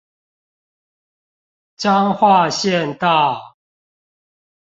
彰化縣道